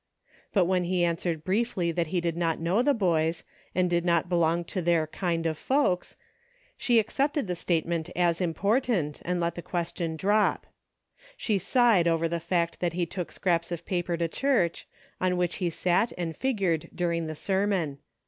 But when he answered briefly that he did not know the boys, and did not belong to " their Icind of folks," she accepted the statement as important, and let the question drop. She sighed over the fact that he took scraps of paper to church, on which he sat and figured during the sermon.